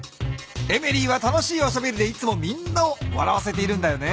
エメリーは楽しいおしゃべりでいつもみんなをわらわせているんだよね。